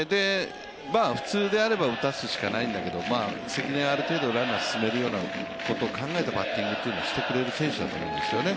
普通であれば打たすしかないんだけど関根はある程度ランナーを進めるようなことを考えたバッティングをしてくれる選手だと思うんですね。